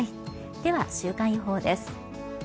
では、週間予報です。